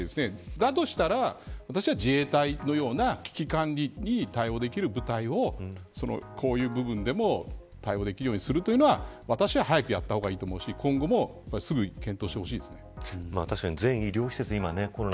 だとしたら私は自衛隊のような危機管理に対応できる部隊をこういう部分でも対応できるようにするというのは私は早くやった方がいいと思うし今後もすぐ検討してほしいですね。